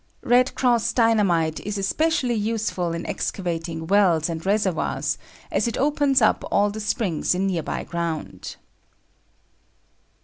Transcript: "Red Cross" Dynamite is especially useful in excavating wells and reservoirs, as it opens up all the springs in nearby ground.